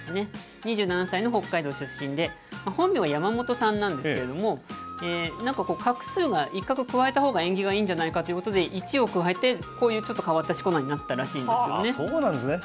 ２７歳の北海道出身で、本名は山本さんなんですけれども、画数が１画加えたほうが縁起がいいんじゃないかということで、一を加えて、こういうちょっと変わったしそうなんですね。